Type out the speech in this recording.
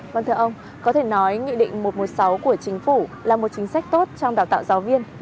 vâng thưa ông có thể nói nghị định một trăm một mươi sáu của chính phủ là một chính sách tốt trong đào tạo giáo viên